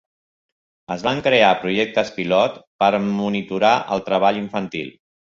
Es van crear projectes pilot per monitorar el treball infantil.